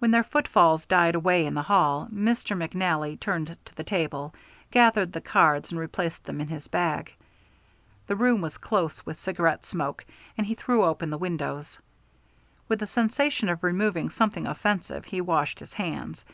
When their footfalls died away in the hall, Mr. McNally turned to the table, gathered the cards, and replaced them in his bag. The room was close with cigar smoke, and he threw open the windows. With the sensation of removing something offensive, he washed his hands.